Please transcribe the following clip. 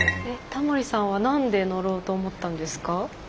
タモリさんはなんで乗ろうと思ったんですか？